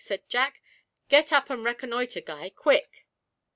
said Jack; 'get up and reconnoitre, Guy quick!'